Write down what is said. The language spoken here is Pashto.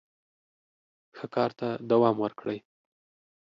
ښه کار ته دوام ورکړئ.